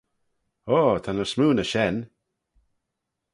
Oh ta ny smoo na shen.